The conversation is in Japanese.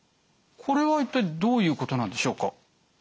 これは一体どういうことなんでしょうか？